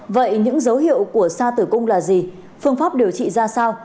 vậy những dấu hiệu của xe tử cung là gì phương pháp điều trị ra sao